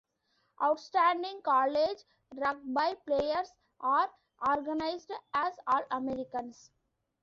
Outstanding college rugby players are recognized as All-Americans.